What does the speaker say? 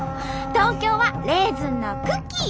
東京はレーズンのクッキー。